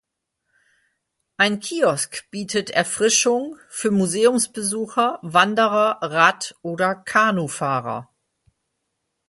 Ein Kiosk bietet Erfrischung für Museumsbesucher, Wanderer, Rad- oder Kanufahrer.